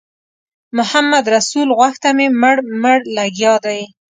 محمدرسول غوږ ته مې مړ مړ لګیا دی.